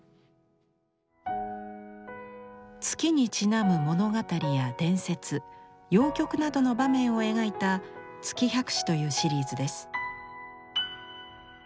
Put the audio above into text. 月にちなむ物語や伝説謡曲などの場面を描いた「月百姿」というシリーズです。